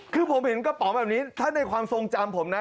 คือผมเห็นกระป๋องแบบนี้ถ้าในความทรงจำผมนะ